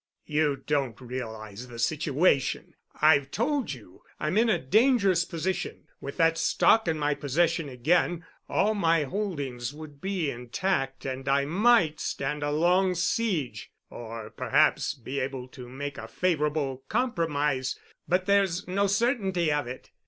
"You don't realize the situation. I've told you I'm in a dangerous position. With that stock in my possession again, all my holdings would be intact and I might stand a long siege—or perhaps be able to make a favorable compromise—but there's no certainty of it.